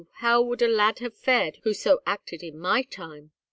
How would a lad have fared who so acted in my time?